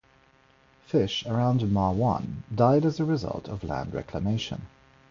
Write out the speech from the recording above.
Fish around Ma Wan died as a result of land reclamation.